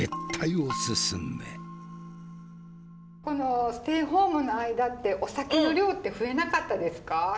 このステイホームの間ってお酒の量って増えなかったですか？